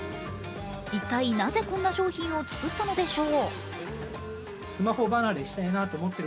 一体、なぜこんな商品をつくったのでしょう？